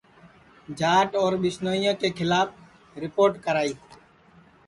جاٹ اور ٻسنوئیں کے کھلاپ رِپوٹ کرائی